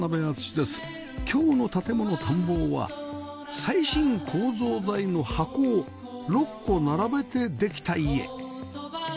今日の『建もの探訪』は最新構造材の箱を６個並べてできた家